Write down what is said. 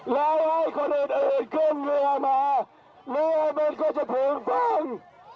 และให้คนอื่นอื่นกึ่งเรือมาเรือมันก็จะถึงบ้าง